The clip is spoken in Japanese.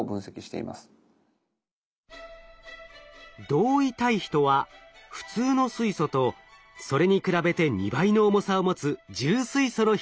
同位体比とは普通の水素とそれに比べて２倍の重さを持つ重水素の比率のこと。